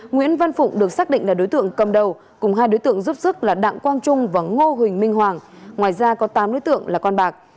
nguyễn văn phụng được xác định là đối tượng cầm đầu cùng hai đối tượng giúp sức là đặng quang trung và ngô huỳnh minh hoàng ngoài ra có tám đối tượng là con bạc